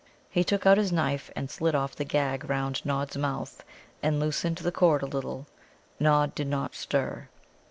He took out his knife and slit off the gag round Nod's mouth, and loosened the cord a little. Nod did not stir.